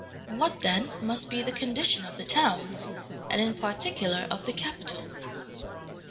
What, then, must be the condition of the towns, and, in particular, of the capital?